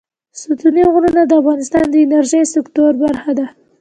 ستوني غرونه د افغانستان د انرژۍ سکتور برخه ده.